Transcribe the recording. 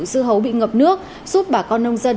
dưa hấu bị ngập nước giúp bà con nông dân